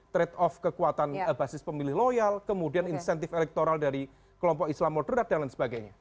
trade off kekuatan basis pemilih loyal kemudian insentif elektoral dari kelompok islam moderat dan lain sebagainya